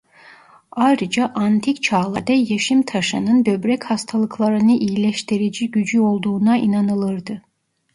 Ayrıca antik çağlarda yeşim taşının böbrek hastalıklarını iyileştirici gücü olduğuna inanılırdı.